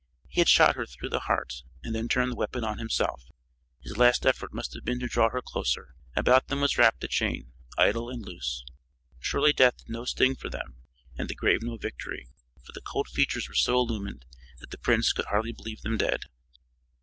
He had shot her through the heart and then turned the weapon on himself; his last effort must have been to draw her closer. About them was wrapped the chain, idle and loose. Surely death had no sting for them and the grave no victory, for the cold features were so illumined that the prince could hardly believe them dead.